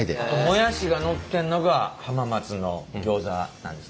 もやしがのってんのが浜松のギョーザなんですね。